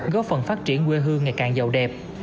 góp phần phát triển quê hương ngày càng giàu đẹp